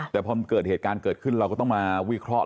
แต่พอมันเกิดเหตุการณ์เกิดขึ้นเราก็ต้องมาวิเคราะห์